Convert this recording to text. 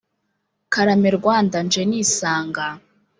karame rwanda nje nisanga